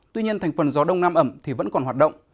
tuy nhiên thành phần gió đông nam ẩm thì vẫn còn hoạt động